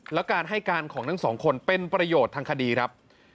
แล้วการให้การของทั้งสองคนเป็นประโยชน์ทางคดีครับ